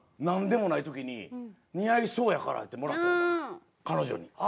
何でもない時に似合いそうやからってもらった事あるんです彼女に。